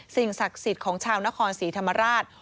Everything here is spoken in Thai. สิ่งศักดิ์สิทธิ์ของชาวนครศรีธรรมราช